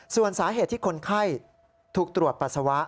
ส่วนสาเหตุที่คนไข้ถูกตรวจปัสสาวะ